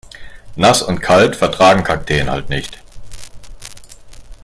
Nass und kalt vertragen Kakteen halt nicht.